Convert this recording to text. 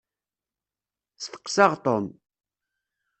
Steqseɣ Tom.